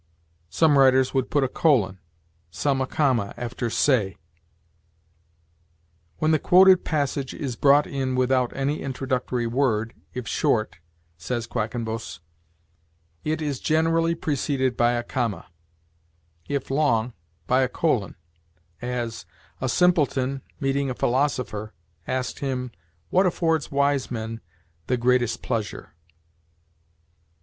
'" Some writers would put a colon, some a comma, after say. "When the quoted passage is brought in without any introductory word, if short," says Quackenbos, "it is generally preceded by a comma; if long, by a colon; as, 'A simpleton, meeting a philosopher, asked him, "What affords wise men the greatest pleasure?"